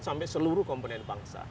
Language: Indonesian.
sampai seluruh komponen bangsa